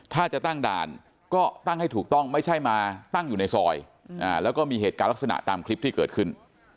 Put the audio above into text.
ถ้าจะตั้งด่านก็ตั้งให้ถูกต้องไม่ใช่มาตั้งอยู่ในซอยแล้วก็มีเหตุการณ์ลักษณะตามคลิปที่เกิดขึ้น